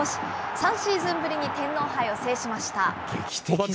３シーズンぶりに天皇杯を制しま劇的な。